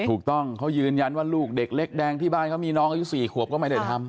ถูกต้องเขายืนยันว่าลูกเด็กเล็กแดงที่บ้านเขามีน้องอายุ๔ขวบก็ไม่ได้ทำ